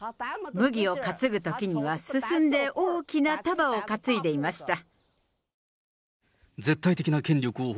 麦を担ぐときには、進んで大きな束を担いでいました。